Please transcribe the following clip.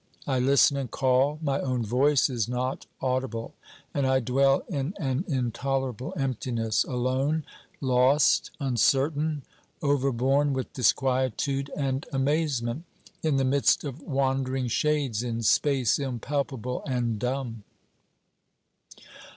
I listen and call, my own voice is not audible, and I dwell in an intolerable emptiness, alone, lost, uncertain, overborne with disquietude and amazement, in the midst of wandering shades, in space impalpable and dumb.